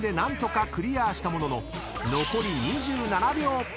［残り２７秒］